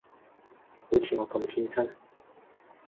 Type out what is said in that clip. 好似我咁天真